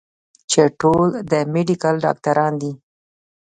چې ټول د ميډيکل ډاکټران دي